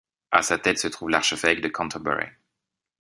À sa tête se trouve l'archevêque de Cantorbéry.